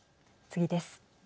次です。